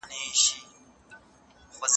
د کره کتني اصول له احساساتو ثابت پاته کېږي.